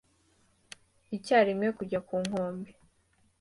icyarimwe kujya ku nkombe.